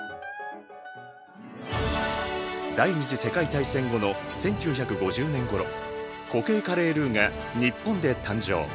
第２次世界大戦後の１９５０年ごろ固形カレールーが日本で誕生。